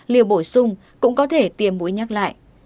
liều bổ sung cũng có thể tiêm mũi nhắc lại